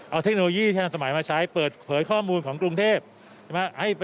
เอาเทคโนโลยีที่ทันสมัยมาใช้เปิดเผยข้อมูลของกรุงเทพใช่ไหม